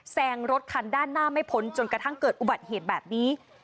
แซงรถคันด้านหน้าไม่พ้นจนกระทั่งเกิดอุบัติเหตุแบบนี้